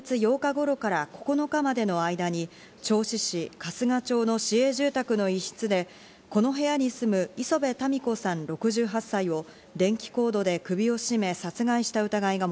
坂本容疑者は今月８日頃から９日までの間に、銚子市春日町の市営住宅の一室でこの部屋に住む礒辺たみ子さん、６８歳を電気コードで首を絞め、殺害した疑いが